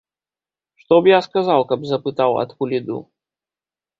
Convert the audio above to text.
Што б я сказаў, каб запытаў, адкуль іду?